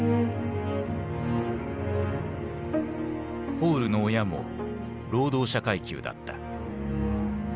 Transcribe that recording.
ポールの親も労働者階級だった。